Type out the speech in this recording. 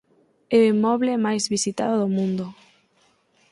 É o inmoble máis visitado do mundo.